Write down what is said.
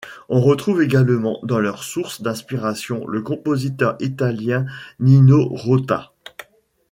On retrouve également dans leurs sources d'inspiration le compositeur italien Nino Rota.